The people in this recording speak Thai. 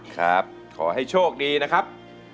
ขอให้โชคดีนะครับ